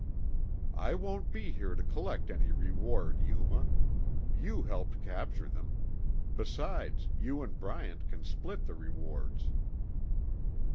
"I won't be here to collect any reward, Yuma. You helped capture them. Perhaps you and Bryant can split the rewards."